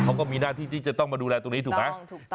เขาก็มีหน้าที่ที่จะต้องมาดูแลตรงนี้ถูกไหม